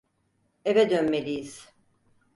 Eve dönmeliyiz.